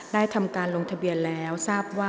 ได้ทำการลงทะเบียนแล้ว